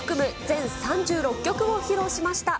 全３６曲を披露しました。